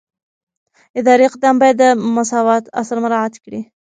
اداري اقدام باید د مساوات اصل مراعات کړي.